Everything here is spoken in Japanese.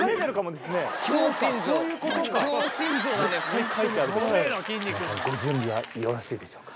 皆さんご準備はよろしいでしょうか？